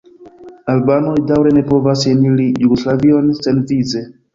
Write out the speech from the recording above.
Albanoj daŭre ne povas eniri Jugoslavion senvize.